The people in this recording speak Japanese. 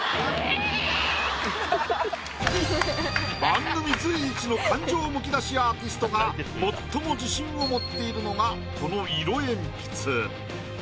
番組随一の感情むき出しアーティストが最も自信を持っているのがこの色鉛筆。